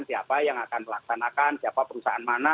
siapa yang akan melaksanakan siapa perusahaan mana